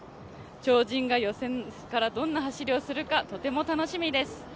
超人が予選からどんな走りをするか、とても楽しみです。